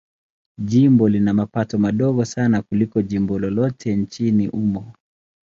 Jimbo lina mapato madogo sana kuliko jimbo lolote nchini humo.